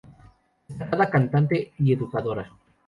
Destacada cantante y educadora.